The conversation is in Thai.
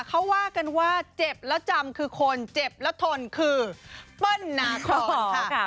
เขาว่ากันว่าเจ็บแล้วจำคือคนเจ็บแล้วทนคือเปิ้ลนาคอนค่ะ